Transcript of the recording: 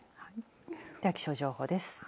では気象情報です。